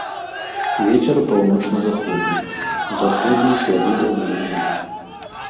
Вецер паўночна-заходні, заходні слабы да ўмеранага.